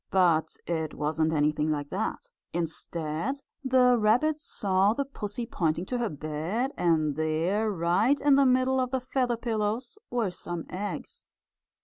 But it wasn't anything like that. Instead the rabbit saw the pussy pointing to her bed, and there, right in the middle of the feather pillows, were some eggs.